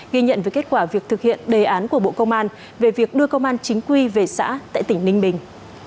ghi nhận với kết quả việc thực hiện đề án của bộ công an về việc đưa công an chính quy về xã tại tỉnh ninh bình